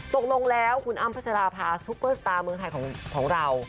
ตกลงแล้วคุณอ้ำพัชราภาซุปเปอร์สตาร์เมืองไทยของเรา